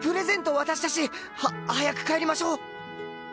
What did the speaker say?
渡したしは早く帰りましょう！